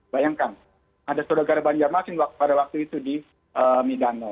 bayangkan ada sodagar banjarmasin pada waktu itu di minano